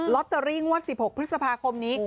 ตเตอรี่งวด๑๖พฤษภาคมนี้